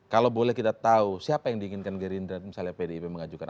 kalau boleh kita tahu siapa yang diinginkan gerindra misalnya pdip mengajukan